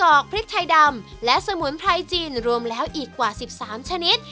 อกพริกไทยดำและสมุนไพรจีนรวมแล้วอีกกว่า๑๓ชนิด